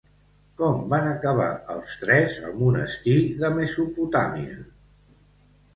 Com van acabar els tres al monestir de Mesopotamia?